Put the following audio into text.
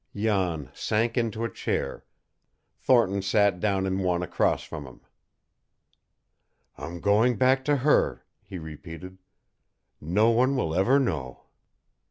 Jan sank into a chair, Thornton sat down in one across from him. "I am going back to her," he repeated. "No one will ever know."